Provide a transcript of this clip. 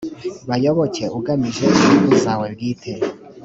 bayoboke ugamije inyungu zawe bwite